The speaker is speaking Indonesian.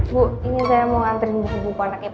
bu ini saya mau nganterin buku buku anak itu